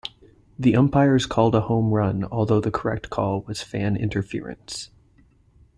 The umpires called a home run, although the correct call was fan interference.